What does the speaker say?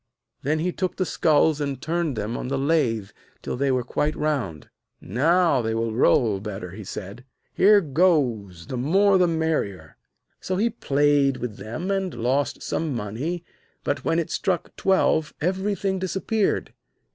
Then he took the skulls and turned them on the lathe till they were quite round. 'Now they will roll better,' he said. 'Here goes! The more, the merrier!' So he played with them, and lost some money, but when it struck twelve everything disappeared.